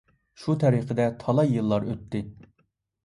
شۇ تەرىقىدە تالاي يىللار ئۆتتى.